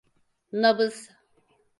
Nabız?